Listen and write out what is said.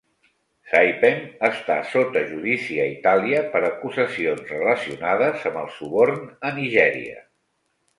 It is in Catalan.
Saipem està sota judici a Itàlia per acusacions relacionades amb el suborn a Nigèria.